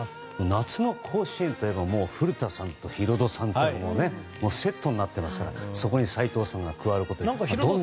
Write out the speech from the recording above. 夏の甲子園といえば古田さんとヒロドさんがセットになってますからそこに斎藤さんが加わることでヒロド